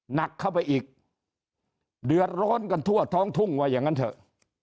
หนักเข้าไปอีกเดือดร้อนกันทั่วท้องทุ่งว่าอย่างนั้นเถอะ